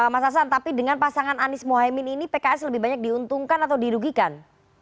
mas hasan tapi dengan pasangan anies mohaimin ini pks lebih banyak diuntungkan atau dirugikan